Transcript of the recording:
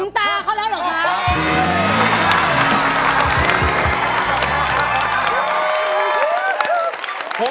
ถึงตาเค้าแล้วเหรอครับ